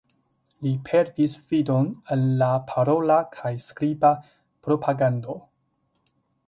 Li perdis fidon en la parola kaj skriba propagando.